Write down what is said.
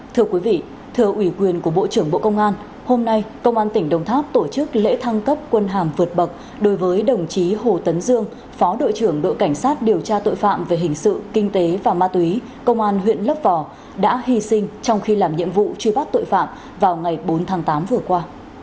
thưa quý vị thừa ủy quyền của bộ trưởng bộ công an hôm nay công an tỉnh đồng tháp tổ chức lễ thăng cấp quân hàm vượt bậc đối với đồng chí hồ tấn dương phó đội trưởng đội cảnh sát điều tra tội phạm về hình sự kinh tế và ma túy công an huyện lấp vò đã hy sinh trong khi làm nhiệm vụ truy bắt tội phạm vào ngày bốn tháng tám vừa qua